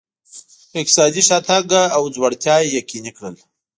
اقتصادي شاتګ او ځوړتیا یې یقیني کړل.